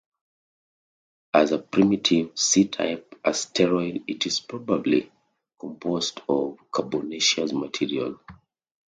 As a primitive C-type asteroid it is probably composed of carbonaceous material.